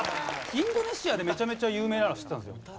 インドネシアでめちゃめちゃ有名なのは知ってたんですよ。